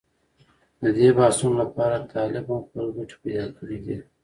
د دې بحثونو لپاره طالب هم خپل ګټې پېدا کړې دي.